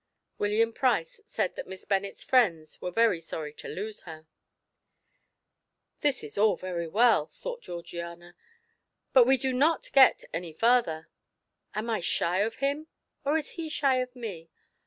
William Price said that Miss Bennet's friends were very sorry to lose her. "This is all very well," thought Georgiana, "but we do not get any farther. Am I shy of him, or is he shy of me?